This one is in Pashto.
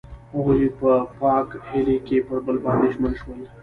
هغوی په پاک هیلې کې پر بل باندې ژمن شول.